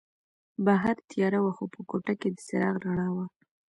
بهر تیاره وه خو په کوټه کې د څراغ رڼا وه.